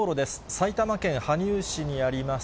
埼玉県羽生市にあります